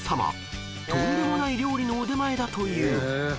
［とんでもない料理の腕前だという］